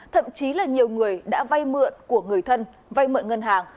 thậm chí là nhiều người đã vay mượn của người thân vay mượn ngân hàng